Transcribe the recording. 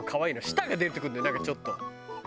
舌が出てくるんだよなんかちょっと。